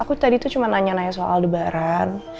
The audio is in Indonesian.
aku tadi tuh cuma nanya nanya soal lebaran